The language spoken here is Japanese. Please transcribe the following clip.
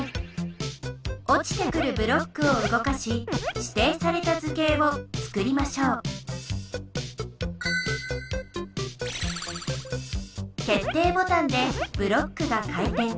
おちてくるブロックをうごかししていされた図形をつくりましょうけっていボタンでブロックが回転。